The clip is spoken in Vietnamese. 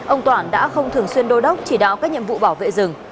ông toản đã không thường xuyên đô đốc chỉ đạo các nhiệm vụ bảo vệ rừng